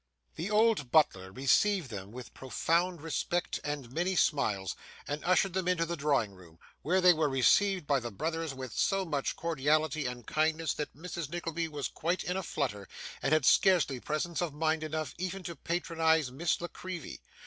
The old butler received them with profound respect and many smiles, and ushered them into the drawing room, where they were received by the brothers with so much cordiality and kindness that Mrs. Nickleby was quite in a flutter, and had scarcely presence of mind enough, even to patronise Miss La Creevy.